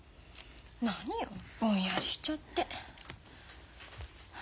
何よぼんやりしちゃって。